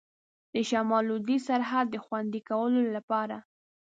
د شمال لوېدیځ سرحد د خوندي کولو لپاره.